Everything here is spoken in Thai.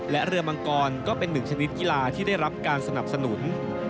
และเรือมังกรก็เป็นหนึ่งชนิดกีฬาที่ได้รับการสนับสนุน